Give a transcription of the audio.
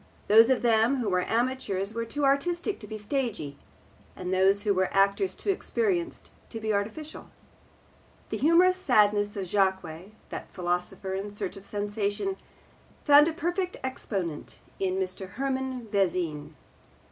Those of them who were amateurs were too artistic to be stagey, and those who were actors too experienced to be artificial. The humorous sadness of Jaques, that philosopher in search of sensation, found a perfect exponent in Mr. Hermann Vezin.